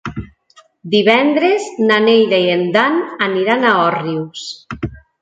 Divendres na Neida i en Dan aniran a Òrrius.